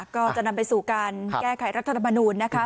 ก็จะนำไปสู่การแก้ไขรัฐธรรมนูญนะคะ